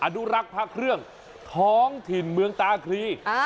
อนุรักษ์พระเครื่องท้องถิ่นเมืองตาคลี